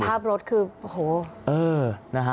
สภาพรถคือโอ้โห